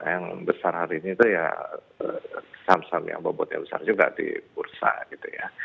yang besar hari ini itu ya saham saham yang bobotnya besar juga di bursa gitu ya